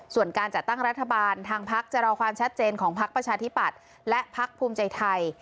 ส่วนการจัดตั้งรัฐบาลทางพักจะรอความชัดเจนของพักประชาธิปัตย์และพักภูมิใจไทย